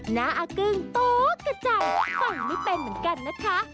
หน้าอากึ้งตกกระจายฟังไม่เป็นเหมือนกันนะคะ